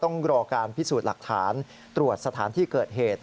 ต้องรอการพิสูจน์หลักฐานตรวจสถานที่เกิดเหตุ